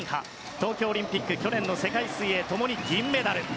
東京オリンピック去年の世界水泳、共に銀メダル。